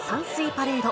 パレード。